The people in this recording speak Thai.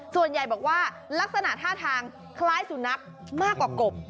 ส่วนใหญ่บอกว่าลักษณะท่าทางคล้ายสุนัขมากกว่ากบ